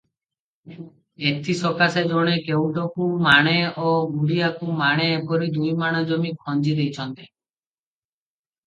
ଏଥିସକାଶେ ଜଣେ କେଉଟକୁ ମାଣେ ଓ ଗୁଡ଼ିଆକୁ ମାଣେ ଏପରି ଦୁଇ ମାଣ ଜମି ଖଞ୍ଜି ଦେଇଛନ୍ତି ।